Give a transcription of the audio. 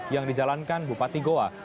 yang dijalankan bupati goa